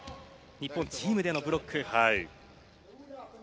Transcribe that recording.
日本チームでのブロック。